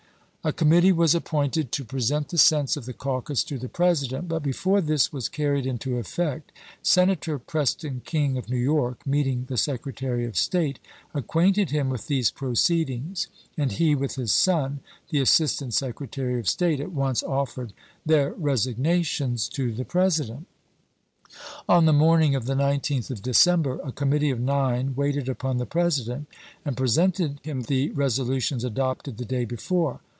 A committee was appointed to present the sense of the caucus to the President, but before this was carried into effect Senator Preston King of New York, meeting the Secretary of State, acquainted him with these proceedings, and he, with his son, the Assistant Secretary of State, at once offered their resignations to the President. 1862. On the morning of the 19th of December, a com mittee of nine waited upon the President and pre sented him the resolutions adopted the day before.